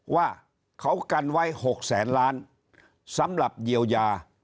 ว่าเขากันไว้๖แสนล้านสำหรับเยียวยา